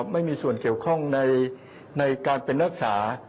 ไม่มีส่วนเกี่ยวข้องในการเป็นรักษา